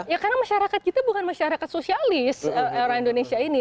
ya karena masyarakat kita bukan masyarakat sosialis orang indonesia ini